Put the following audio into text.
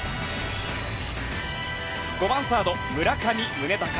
５番サード、村上宗隆。